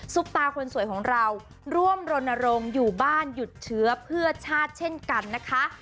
ตาคนสวยของเราร่วมรณรงค์อยู่บ้านหยุดเชื้อเพื่อชาติเช่นกันนะคะ